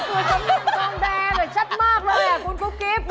คือสำเร็จตรงแรกชัดมากแล้วคุณครูกิฟต์